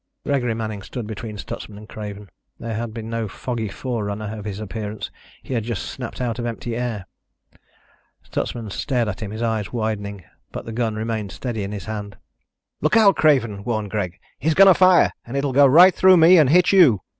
Gregory Manning stood between Stutsman and Craven. There had been no foggy forerunner of his appearance. He had just snapped out of empty air. Stutsman stared at him, his eyes widening, but the gun remained steady in his hand. "Look out, Craven," warned Greg. "He's going to fire and it will go right through me and hit you."